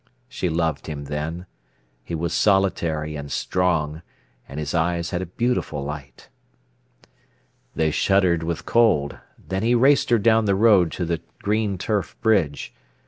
She loved him then. He was solitary and strong, and his eyes had a beautiful light. They shuddered with cold; then he raced her down the road to the green turf bridge.